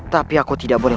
tapi aku tidak boleh